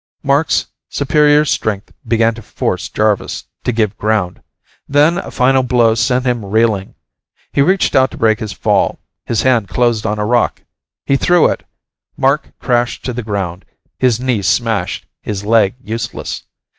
Mark's superior strength began to force Jarvis to give ground. Then a final blow sent him reeling, he reached out to break his fall, his hand closed on a rock. He threw it. Mark crashed to the ground, his knee smashed, his leg useless.